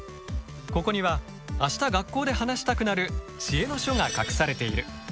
ここには明日学校で話したくなる知恵の書が隠されている。